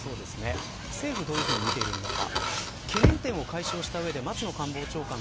政府はどういうふうに見ているのか。